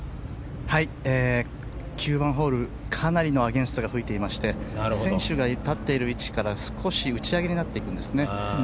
９番ホールはかなりのアゲンストが吹いていまして選手が立っている位置から少し打ち上げになっていくんですね。